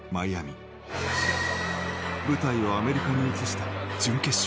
舞台をアメリカに移した準決勝。